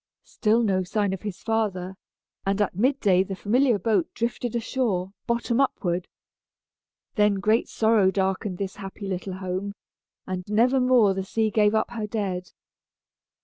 Still no sign of his father, and at midday the familiar boat drifted ashore, bottom upward. Then great sorrow darkened this happy little home; and nevermore the sea gave up her dead.